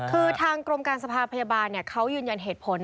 คือทางกรมการสภาพพยาบาลเขายืนยันเหตุผล